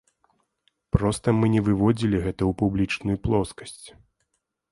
Проста мы не выводзілі гэта ў публічную плоскасць.